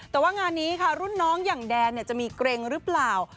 แต่ว่างานนี้ค่ะรุ่นน้องอย่างแดนจะมีเกร็งหรือเปล่า